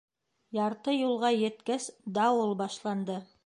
Ярты юлға еткәс, дауыл башланды.